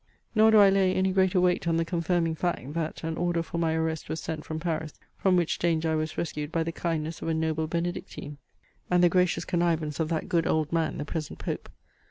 Nor do I lay any greater weight on the confirming fact, that an order for my arrest was sent from Paris, from which danger I was rescued by the kindness of a noble Benedictine, and the gracious connivance of that good old man, the present Pope.